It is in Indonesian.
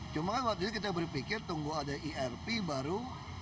cuma kan waktu itu kita berpikir tunggu ada irp baru